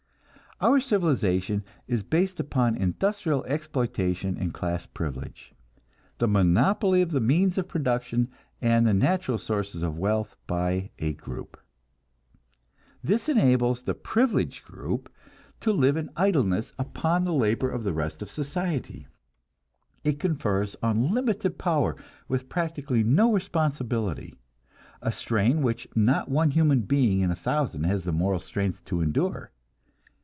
Our civilization is based upon industrial exploitation and class privilege, the monopoly of the means of production and the natural sources of wealth by a group. This enables the privileged group to live in idleness upon the labor of the rest of society; it confers unlimited power with practically no responsibility a strain which not one human being in a thousand has the moral strength to endure.